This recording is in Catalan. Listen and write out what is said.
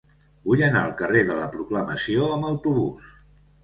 Vull anar al carrer de la Proclamació amb autobús.